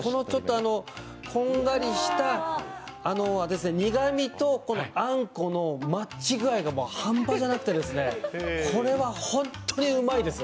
こんがりした、苦みとあんこのマッチ具合がハンパなくてこれは本当にうまいです。